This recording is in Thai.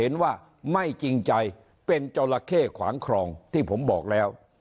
ในเจ้าละเข้ขวางครองที่ผมบอกแล้ว